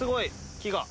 木が。